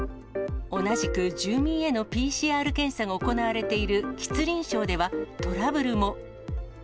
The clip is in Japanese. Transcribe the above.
同じく住民へのＰＣＲ検査が行われている吉林省では、トラブルも。